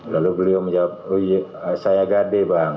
lalu beliau menjawab saya gade bang